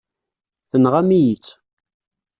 Tenɣam-iyi-tt.